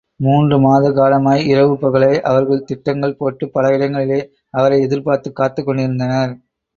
மூன்று மாத காலமாய் இரவு பகலாய் அவர்கள் திட்டங்கள் போட்டுப் பல இடங்களிலே அவரை எதிர்பர்த்துக் காத்துக் கொண்டிருந்தனர்.